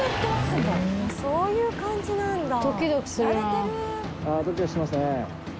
そういう感じなんだ。